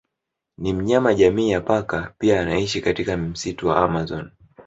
Ni mnyama jamii ya paka pia anaishi katika msitu wa amazon